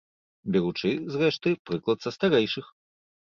Беручы, зрэшты, прыклад са старэйшых.